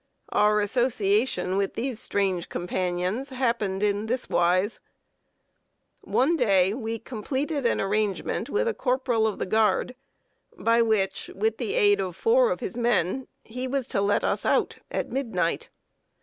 Our association with these strange companions happened in this wise: One day we completed an arrangement with a corporal of the guard, by which, with the aid of four of his men, he was to let us out at midnight.